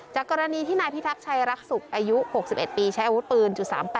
กรณีที่นายพิทักษ์ชัยรักษุกอายุ๖๑ปีใช้อาวุธปืน๓๘